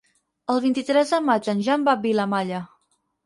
El vint-i-tres de maig en Jan va a Vilamalla.